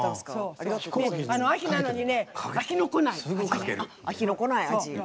秋なのにね、飽きのこない味。